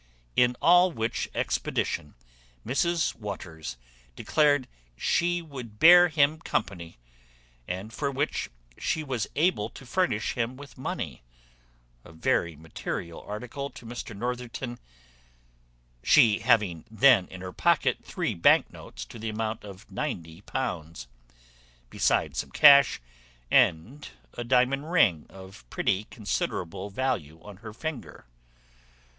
In all which expedition Mrs Waters declared she would bear him company; and for which she was able to furnish him with money, a very material article to Mr Northerton, she having then in her pocket three bank notes to the amount of £90, besides some cash, and a diamond ring of pretty considerable value on her finger.